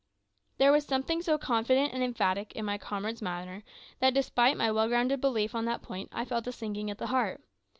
There was something so confident and emphatic in my comrade's manner that, despite my well grounded belief on that point, I felt a sinking at the heart.